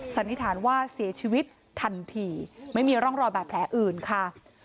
สันนิษฐานว่าเสียชีวิตทันทีไม่มีร่องรอยบาดแผลอื่นค่ะ